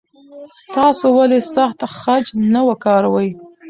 تاسو ولې سخت خج نه وکاروئ؟